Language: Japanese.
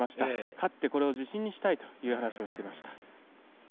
勝って、これを自信にしたいという話をしていました。